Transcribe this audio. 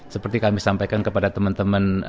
seperti kami sampaikan kepada teman teman